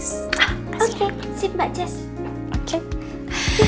oke sip mbak cis